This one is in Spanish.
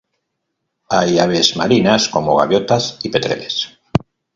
Hay aves marinas como gaviotas y petreles.